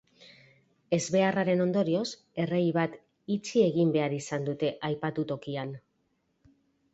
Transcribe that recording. Ezbeharraren ondorioz, errei bat itxi egin behar izan dute aipatu tokian.